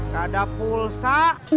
gak ada pulsa